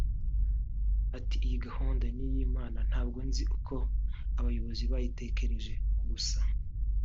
Ati “Iyi gahunda ni iy’Imana ntabwo nzi uko abayobozi babitekereje gusa